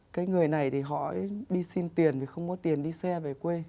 cái người này thì hỏi đi xin tiền vì không có tiền đi xe về quê